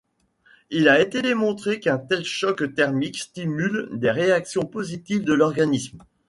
Il a été démontré qu’un tel choc thermique stimule des réactions positives de l’organisme.